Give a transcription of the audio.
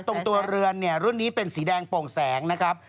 ตัวเรือนเนี่ยรุ่นนี้เป็นสีแดงโป่งแสงนะครับ